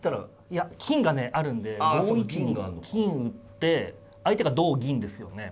いや金がねあるんで５一金打って相手が同銀ですよね。